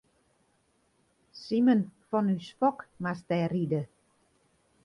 Simen fan ús Fok moast dêr ride.